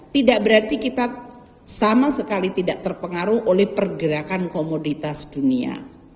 tidak berarti kita sama sekali tidak terpengaruh oleh pergerakan komoditas dunia